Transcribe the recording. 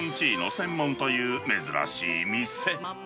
専門という珍しい店。